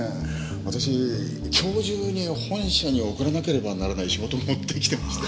私今日中に本社に送らなければならない仕事持ってきてまして。